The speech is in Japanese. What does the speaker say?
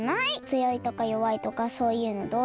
つよいとかよわいとかそういうのどうでもいい。